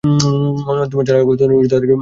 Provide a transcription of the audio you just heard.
তারা যা করবে তদনুযায়ীই তাদেরকে প্রতিফল দেয়া হবে।